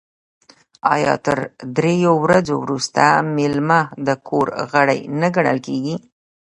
آیا تر دریو ورځو وروسته میلمه د کور غړی نه ګڼل کیږي؟